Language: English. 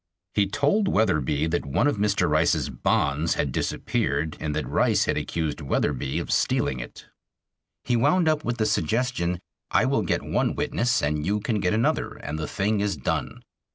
He told Wetherbee that one of Mr. Rice's bonds had disappeared and that Rice had accused Wetherbee of stealing it. He wound up with the suggestion, "I will get one witness and you can get another, and the thing is done."